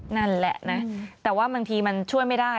นั่นแหละนะแต่ว่าบางทีมันช่วยไม่ได้